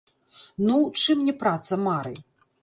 Ну, чым не праца мары.